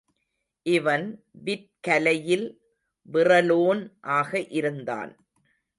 இவன் விற்கலையில் விறலோன் ஆக இருந்தான்.